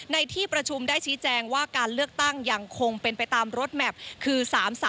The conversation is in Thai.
ในที่ประชุมได้ชี้แจงว่าการเลือกตั้งยังคงเป็นไปตามรถแมพคือ๓๓